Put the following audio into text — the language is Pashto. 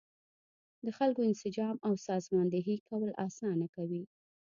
د خلکو انسجام او سازماندهي کول اسانه کوي.